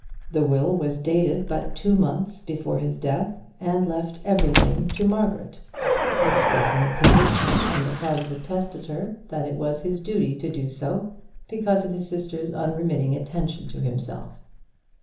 The will was dated but two months before his death, and left everything to Margaret, expressing a conviction on the part of the testator that it was his duty to do so, because of his sister's unremitting attention to himself.